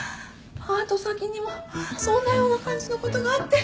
パート先にもそんなような感じのことがあって。